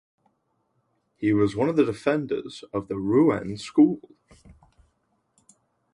He was one of the defenders of the Rouen School.